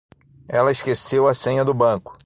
Ela esqueceu a senha do banco.